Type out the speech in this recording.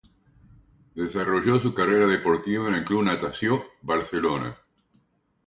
Desarrolló su carrera deportiva en el Club Natació Barcelona.